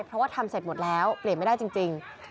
เพราะว่าทำเสร็จหมดแล้วเปลี่ยนไม่ได้จริง